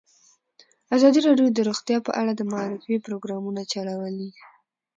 ازادي راډیو د روغتیا په اړه د معارفې پروګرامونه چلولي.